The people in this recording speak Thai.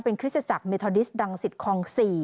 เป็นคริสตจักรเมทอดิสรังสิตคลอง๔